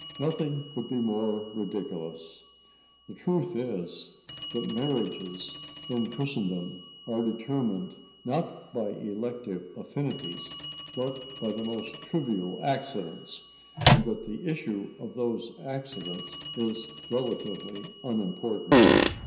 Nothing could be more ridiculous. The truth is that marriages in Christendom are determined, not by elective affinities, but by the most trivial accidents, and that the issue of those accidents is relatively unimportant.